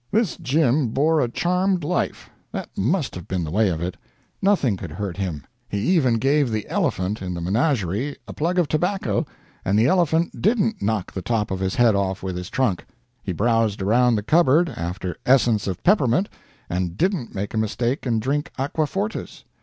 This Jim bore a charmed life that must have been the way of it. Nothing could hurt him. He even gave the elephant in the menagerie a plug of tobacco, and the elephant didn't knock the top of his head off with his trunk. He browsed around the cupboard after essence of peppermint, and didn't make a mistake and drink aqua fortis.